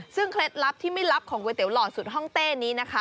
ซึ่งเคล็ดลับที่ไม่ลับของก๋วยเตี๋หล่อสุดห้องเต้นี้นะคะ